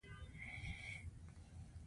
د زغملو نه دي.